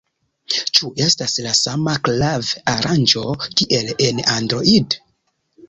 Ĉu estas la sama klav-aranĝo kiel en Android?